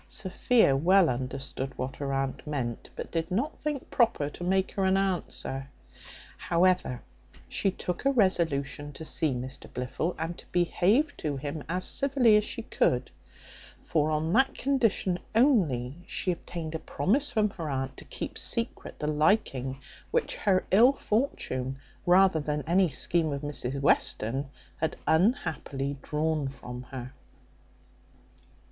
Sophia well understood what her aunt meant; but did not think proper to make her an answer. However, she took a resolution to see Mr Blifil, and to behave to him as civilly as she could, for on that condition only she obtained a promise from her aunt to keep secret the liking which her ill fortune, rather than any scheme of Mrs Western, had unhappily drawn from her.